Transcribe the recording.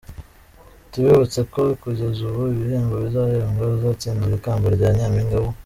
Tubibutse ko kugeza ubu ibihembo bizahembwa uzatsindira ikamba rya Nyampinga w’u